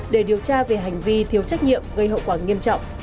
để điều tra về hành vi thiếu trách nhiệm gây hậu quả nghiêm trọng